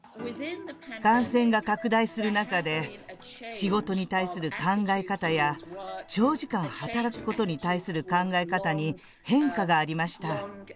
感染が拡大する中で仕事に対する考え方や長時間働くことに対する考え方に変化がありました。